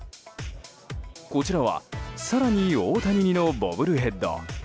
こちらは更に大谷似のボブルヘッド。